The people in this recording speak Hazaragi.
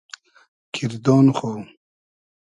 کیردۉن خو